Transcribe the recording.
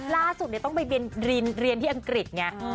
ล่าสุดเนี่ยต้องไปเรียนที่อังกฤษเนี่ย